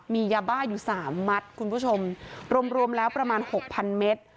มียาบ้าอยู่สามมัดคุณผู้ชมรวมแล้วประมาณหกพันเมตร